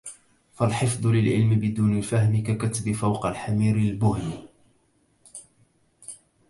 فالحفظ للعلم بدون الفهم ككتب فوق الحمير البُهم